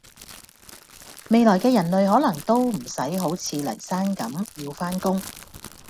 未來既人類可能都唔洗好似黎生咁要返工